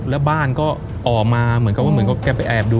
แล้วบ้านก็ออกมาเหมือนกับว่าเหมือนกับแกไปแอบดู